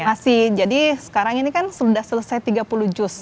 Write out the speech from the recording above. masih jadi sekarang ini kan sudah selesai tiga puluh juz